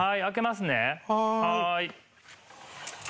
開けますね。